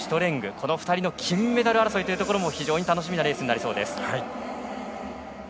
この２人の金メダル争いも非常に楽しみなレースになりそうです。